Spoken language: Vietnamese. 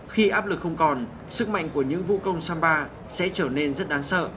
khi áp lực không còn sức mạnh của những vũ công samba sẽ trở nên rất đáng sợ